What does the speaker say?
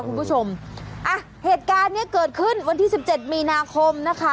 คุณผู้ชมอ่ะเหตุการณ์เนี้ยเกิดขึ้นวันที่สิบเจ็ดมีนาคมนะคะ